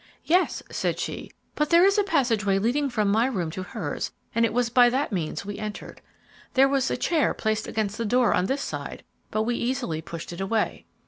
"Yes," returned she; "but there is a passageway leading from my room to hers and it was by that means we entered. There was a chair placed against the door on this side but we easily pushed it away."